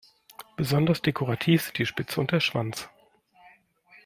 Besonders dekorativ sind die Spitze und der Schwanz.